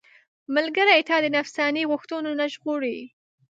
ملګری تا د نفساني غوښتنو نه ژغوري.